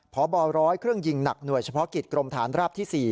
พบร้อยเครื่องยิงหนักหน่วยเฉพาะกิจกรมฐานราบที่๔